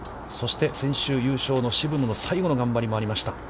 先週優勝の渋野の最後の頑張りもありました。